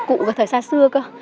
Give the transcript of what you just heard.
cụ và thời xa xưa cơ